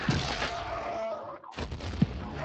انسان عاجز دی.